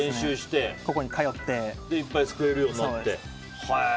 それでいっぱいすくえるようになって。